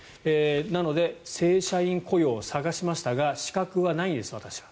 なので正社員雇用を探しましたが資格はないんです、私は。